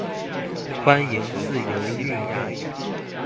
歡迎自由運用